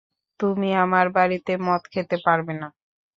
তুমি আমার বাড়িতে মদ খেতে পারবে না।